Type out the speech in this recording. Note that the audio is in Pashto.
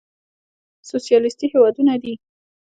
سوسيالېسټي هېوادونه دي.